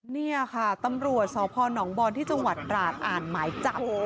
นี่ค่ะตำรวจสพนบอลที่จังหวัดตราดอ่านหมายจับ